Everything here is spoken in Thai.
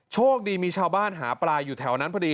โชคดีมีชาวบ้านหาปลาอยู่แถวนั้นพอดี